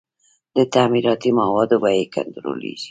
د تعمیراتي موادو بیې کنټرولیږي؟